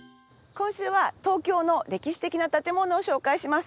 今週は東京の歴史的な建物を紹介します。